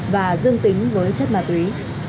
và dương tính với chất ma túy